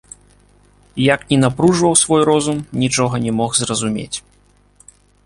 Як ні напружваў свой розум, нічога не мог зразумець.